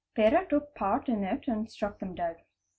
Pera took part in it and struck them dead.